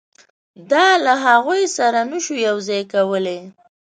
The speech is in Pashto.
دا له هغوی سره نه شو یو ځای کولای.